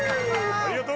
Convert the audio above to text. ありがとう！